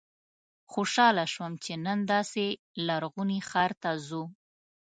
خوشاله شوم چې نن داسې لرغوني ښار ته ځو.